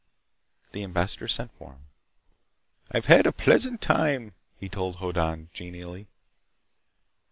The ambassador sent for him. "I've had a pleasant time," he told Hoddan genially.